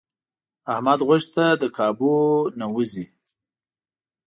احمد غوښې ته له کابو نه و ځي.